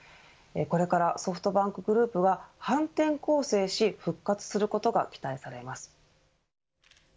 これからソフトバンクグループは反転攻勢し復活することが期待されます。